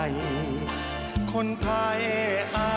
ให้ฉันกับใจ